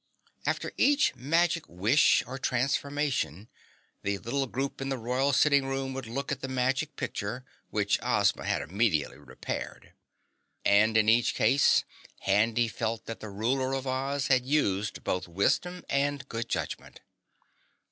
After each magic wish or transformation, the little group in the royal sitting room would look in the magic picture, which Ozma had immediately repaired. And in each case Handy felt that the ruler of Oz had used both wisdom and good judgment.